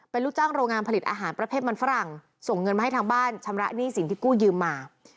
เป็นลูกจ้างโรงงานผลิตอาหารประเภทมันฝรั่งส่งเงินมาให้ทางบ้านชำระหนี้สินที่กู้ยืมมา